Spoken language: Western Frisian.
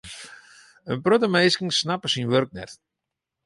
In protte minsken snappe syn wurk net.